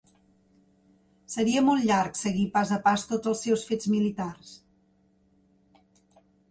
Seria molt llarg seguir pas a pas tots els seus fets militars.